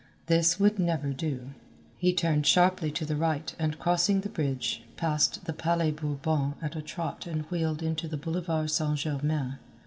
This would never do. He turned sharply to the right and crossing the bridge passed the Palais Bourbon at a trot and wheeled into the Boulevard St. Germain.